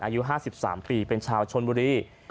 อายุ๕๓ปีเป็นชาวชนบุรี